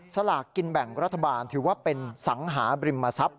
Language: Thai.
สลากกินแบ่งรัฐบาลถือว่าเป็นสังหาบริมทรัพย